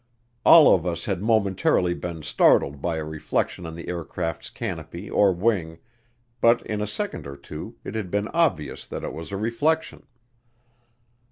All of us had momentarily been startled by a reflection on the aircraft's canopy or wing, but in a second or two it had been obvious that it was a reflection.